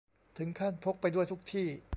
ถึงขั้นพกไปด้วยทุกที่